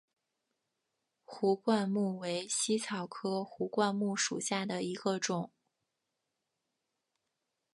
壶冠木为茜草科壶冠木属下的一个种。